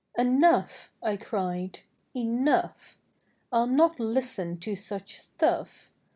"" Enough," I cried, " enough ! I'll not listen to such stuff!